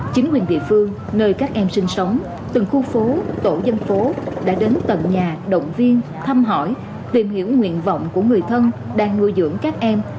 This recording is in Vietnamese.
chính quyền địa phương nơi các em sinh sống từng khu phố tổ dân phố đã đến tận nhà động viên thăm hỏi tìm hiểu nguyện vọng của người thân đang nuôi dưỡng các em